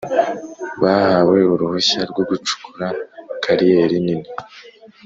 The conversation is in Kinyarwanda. Bahawe uruhushya rwo gucukura kariyeri nini